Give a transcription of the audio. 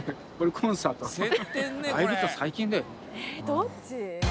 どっち？